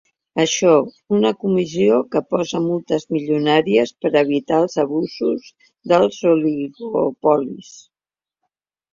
Això, una comissió que posa multes milionàries per evitar els abusos dels oligopolis.